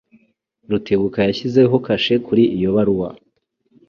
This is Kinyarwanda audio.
Rutebuka yashyizeho kashe kuri iyo baruwa.